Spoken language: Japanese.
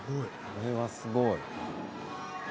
これはすごい。